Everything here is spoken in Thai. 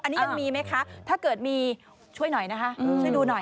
อันนี้ยังมีไหมคะถ้าเกิดมีช่วยหน่อยนะคะช่วยดูหน่อย